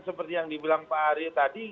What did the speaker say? seperti yang dibilang pak ari tadi